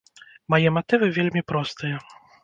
Мае матывы вельмі простыя.